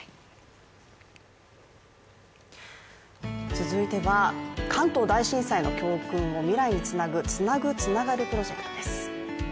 続いては、関東大震災の教訓を未来につなぐ「つなぐ、つながるプロジェクト」です。